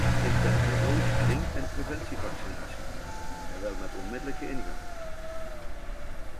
Ik ben voor nood, ring- en preventieve vaccinatie en wel met onmiddellijke ingang.